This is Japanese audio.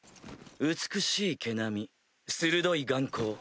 美しい毛並み鋭い眼光